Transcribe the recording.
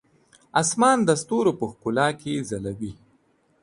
اسمان د ستورو په ښکلا کې ځلوي.